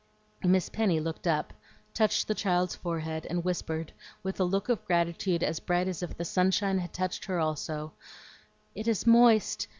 Miss Penny looked up, touched the child's forehead, and whispered, with a look of gratitude as bright as if the sunshine had touched her also, "It is moist!